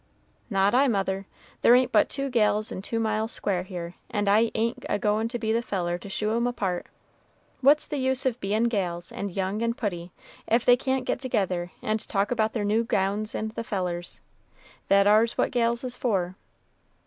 "Not I, mother. There ain't but two gals in two miles square here, and I ain't a goin' to be the feller to shoo 'em apart. What's the use of bein' gals, and young, and putty, if they can't get together and talk about their new gownds and the fellers? That ar's what gals is for."